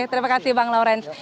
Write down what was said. terima kasih bang lawrence